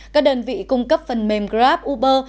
các đơn vị cung cấp phần mềm grab uber